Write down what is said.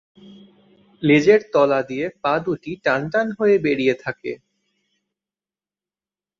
লেজের তলা দিয়ে পা দু'টি টান টান হয়ে বেরিয়ে থাকে।